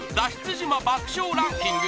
島爆笑ランキング